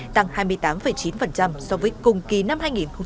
tăng hai mươi tám chín so với cùng kỳ năm hai nghìn hai mươi ba